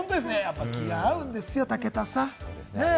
気が合うんですよ、武田さん。